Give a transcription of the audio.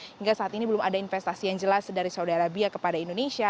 hingga saat ini belum ada investasi yang jelas dari saudi arabia kepada indonesia